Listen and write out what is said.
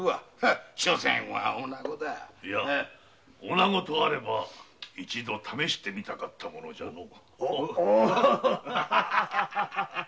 女とあれば一度試してみたかったものじゃのう。